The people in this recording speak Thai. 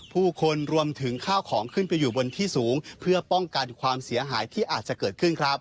ผู้คนรวมถึงข้าวของขึ้นไปอยู่บนที่สูงเพื่อป้องกันความเสียหายที่อาจจะเกิดขึ้นครับ